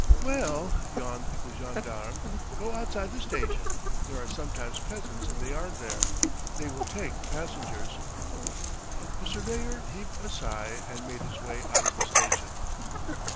"Well," yawned the gendarme, "go outside the station, there are sometimes peasants in the yard there, they will take passengers." The surveyor heaved a sigh and made his way out of the station.